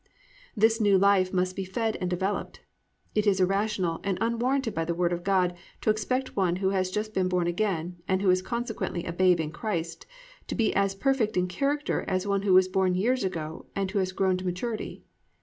"+ This new life must be fed and developed. It is irrational, and unwarranted by the Word of God, to expect one who has just been born again, and who is consequently a babe in Christ, to be as perfect in character as one who was born years ago and who has grown to maturity.